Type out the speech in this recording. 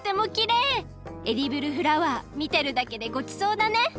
エディブルフラワーみてるだけでごちそうだね！